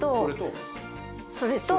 それと。